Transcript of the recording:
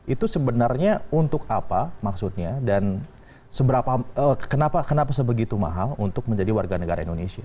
itu sebenarnya untuk apa maksudnya dan kenapa sebegitu mahal untuk menjadi warga negara indonesia